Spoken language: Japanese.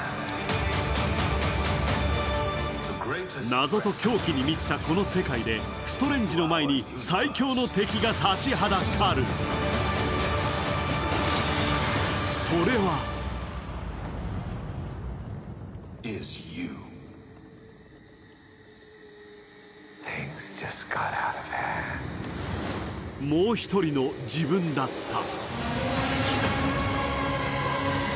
謎と狂気に満ちたこの世界でストレンジの前に最強の敵が立ちはだかる、それはもう一人の自分だった。